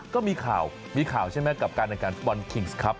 ก็มีข่าวมีข่าวใช่ไหมกับการในการฟุตบอลคิงส์ครับ